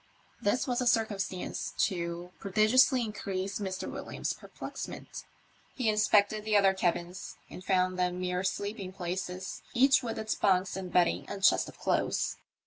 This was a circumstance to prodigiously increase Mr. Williams's perplexment. He inspected the other cabins and found them mere sleeping places, each with its bunks and bedding and chest of clothes.